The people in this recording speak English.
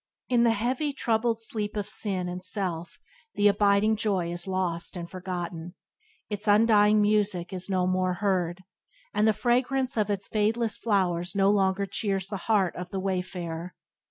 In the heavy, troubled sleep of sin and self the abiding joy is lost and forgotten; its undying music is no more heard, and the fragrance of its fadeless flowers no longer cheers the heart of the wayfarer.